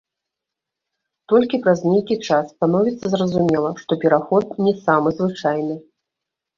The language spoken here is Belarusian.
Толькі праз нейкі час становіцца зразумела, што пераход не самы звычайны.